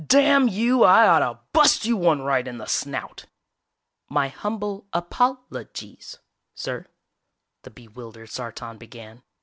Damn you, I oughta' bust you one right in the snout!!" "My humble apol o gies, sir," the bewildered Sartan began.